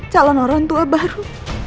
calon orang tua baru